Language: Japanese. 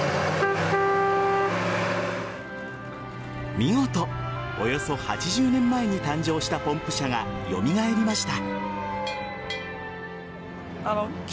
見事およそ８０年前に誕生したポンプ車が蘇りました。